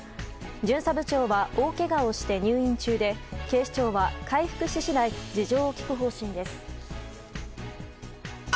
巡査部長は大けがをして入院中で警視庁は回復し次第事情を聴く方針です。